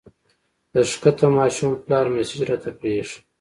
د ښکته ماشوم پلار مسېج راته پرېښی